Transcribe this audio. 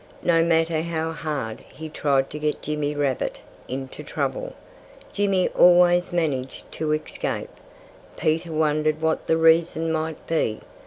No matter how hard he tried to get Jimmy Rabbit into trouble, Jimmy always managed to escape. Peter wondered what the reason might be.